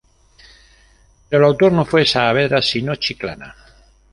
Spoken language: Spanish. Pero el autor no fue Saavedra sino Chiclana.